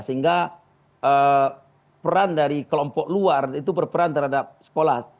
sehingga peran dari kelompok luar itu berperan terhadap sekolah